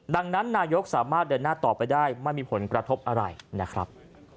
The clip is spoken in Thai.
ดังนั้นนายกสามารถเดินหน้าต่อไปได้ไม่มีผลกระทบอะไรนะครับ